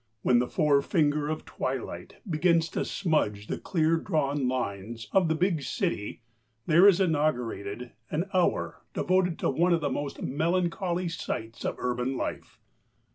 When the forefinger of twilight begins to smudge the clear drawn lines of the Big City there is inaugurated an hour devoted to one of the most melancholy sights of urban life.